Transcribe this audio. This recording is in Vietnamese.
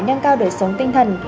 nâng cao đời sống tinh thần